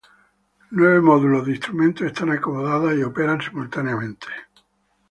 Nueve módulos de instrumentos están acomodadas y operan simultáneamente.